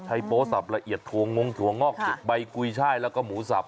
โป๊สับละเอียดถั่วงถั่วงอกใบกุยช่ายแล้วก็หมูสับ